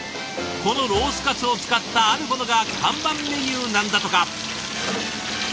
このロースカツを使ったあるものが看板メニューなんだとか。